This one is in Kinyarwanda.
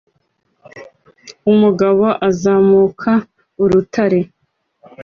Umugabo azamuka urutare